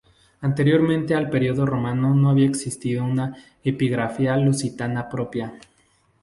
Anteriormente al período romano no había existido una epigrafía lusitana propia.